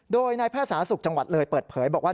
โดยนายแพทย์สาธารณสุขจังหวัดเลยเปิดเผยบอกว่า